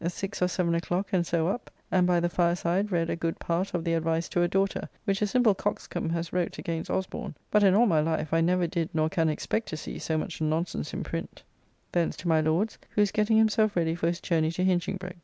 Six or seven o'clock and so up, and by the fireside read a good part of "The Advice to a Daughter," which a simple coxcomb has wrote against Osborne, but in all my life I never did nor can expect to see so much nonsense in print Thence to my Lord's, who is getting himself ready for his journey to Hinchingbroke.